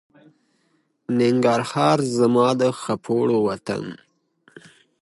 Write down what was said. زده کوونکي په لوړ غږ ترانې وايي.